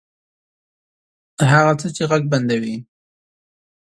هغه څه چې ږغ بندوي